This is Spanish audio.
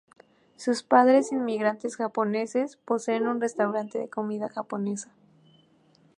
Sus padres, inmigrantes japoneses, poseen un restaurante de comida japonesa.